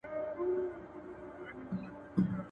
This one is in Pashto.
• اور ته وچ او لانده يو دي.